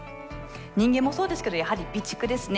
人間もそうですけどやはり備蓄ですね。